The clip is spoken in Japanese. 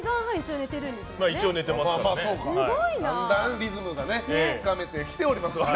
だんだん我々もリズムがつかめてきております。